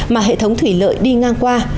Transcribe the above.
mà hệ thống thủy lợi đi ngang qua